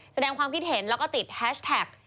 แสดงความคิดเห็นแล้วก็ติดแฮชแท็ก